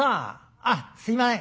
あっすいません。